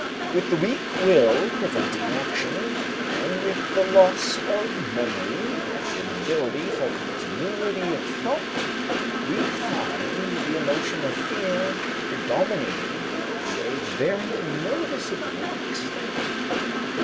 With the weak will preventing action, and with the loss of memory and inability for continuity of thought, we find the emotion of fear predominating to a very noticeable extent.